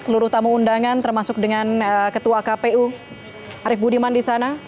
seluruh tamu undangan termasuk dengan ketua kpu arief budiman di sana